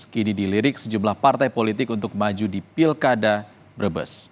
kini dilirik sejumlah partai politik untuk maju di pilkada brebes